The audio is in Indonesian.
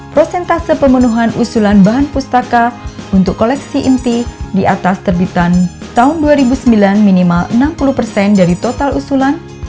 prosentase pemenuhan usulan bahan pustaka untuk koleksi inti di atas terbitan tahun dua ribu sembilan minimal enam puluh persen dari total usulan